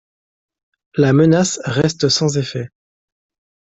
La menace reste sans effet.